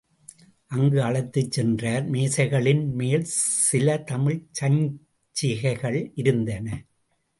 அங்கு அழைத்துச் சென்றார் மேசைகளின் மேல், சில தமிழ்ச் சஞ்சிகைகள் இருந்தன.